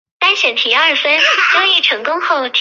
诺克斯县是美国伊利诺伊州西北部的一个县。